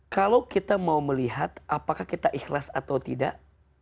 kalau kita mau melihat apakah kita ikhlas atau tidak